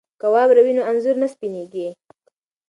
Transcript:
که واوره وي نو انځور نه سپینیږي.